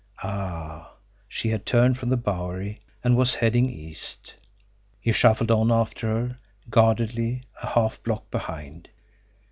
Ah! She had turned from the Bowery, and was heading east. He shuffled on after her, guardedly, a half block behind.